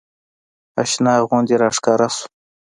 اشنا غوندې راښکاره سو.